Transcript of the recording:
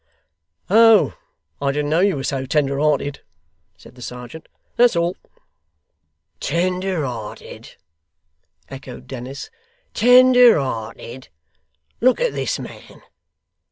'Oh! I didn't know you was so tender hearted,' said the serjeant. 'That's all!' 'Tender hearted!' echoed Dennis. 'Tender hearted! Look at this man.